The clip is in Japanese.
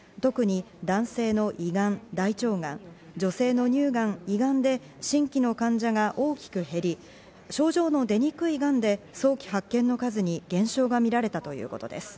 特に男性の胃がん、大腸がん、女性の乳がん、胃がんで新規の患者が大きく減り、症状の出にくいがんで早期発見の数に減少が見られたということです。